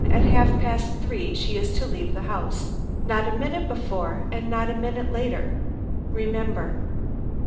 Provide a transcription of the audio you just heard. At half past three she is to leave the house. Not a minute before and not a minute later. Remember."